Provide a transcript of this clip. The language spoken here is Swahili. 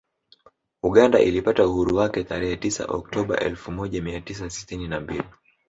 Uganda ilipata uhuru wake tarehe tisa Oktoba elfu moja mia tisa sitini na mbili